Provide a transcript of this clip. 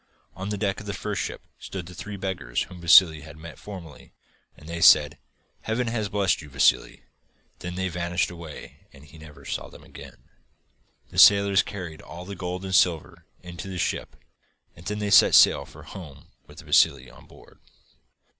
On the deck of the first ship stood the three beggars whom Vassili had met formerly, and they said: 'Heaven has blessed you, Vassili.' Then they vanished away and he never saw them again. The sailors carried all the gold and silver into the ship, and then they set sail for home with Vassili on board.